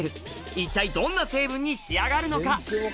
一体どんな成分に仕上がるのか？